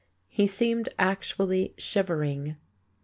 He seemed actually shivering.